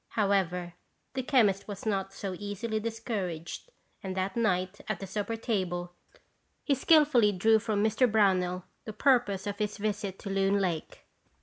However, the chemist was not so easily discouraged and that night at the supper table, he skillfully drew from Mr. Brownell the purpose of his visit to Loon Lake.